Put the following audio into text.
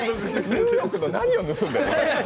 ニューヨークの何を盗んでるの？